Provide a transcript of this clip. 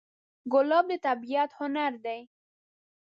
ګلاب د طبیعت هنر دی.